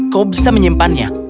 kau bisa menyimpannya